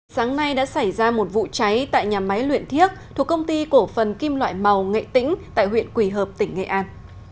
sáng nay đã xảy ra một vụ cháy tại nhà máy luyện thiếc thuộc công ty cổ phần kim loại màu nghệ tĩnh tại huyện quỳ hợp tỉnh nghệ an